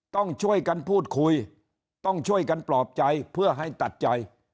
ต้องช่วยกันพูดคุยต้องช่วยกันปลอบใจเพื่อให้ตัดใจ